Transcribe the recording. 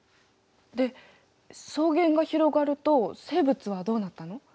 で草原が広がると生物はどうなったの？